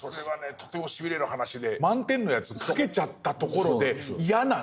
とてもシビれる話で満点のやつ描けちゃったところで嫌なんですね。